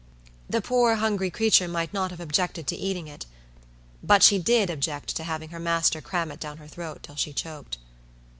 The poor, hungry creature might not have objected to eating it; but she did object to having her master cram it down her throat till she choked.